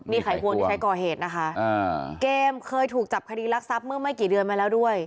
นี่ไขควงที่ใช้ก่อเหตุนะคะเกมเคยถูกจับคดีรักทรัพย์เมื่อไม่กี่เดือนมาแล้วด้วย